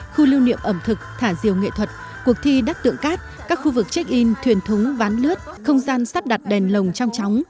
khu lưu niệm ẩm thực thả diều nghệ thuật cuộc thi đắc tượng cát các khu vực check in thuyền thúng ván lướt không gian sắp đặt đèn lồng trong tróng